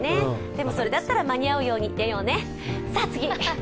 でも、それだったら間に合うようにしてよね。